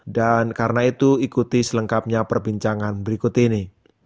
dan karena itu ikuti selengkapnya perbincangan berikut ini